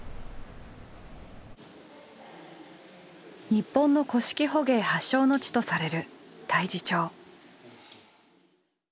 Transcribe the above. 日本の古式捕鯨発祥の地とされる太地町。